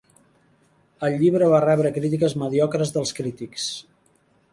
El llibre va rebre crítiques mediocres dels crítics.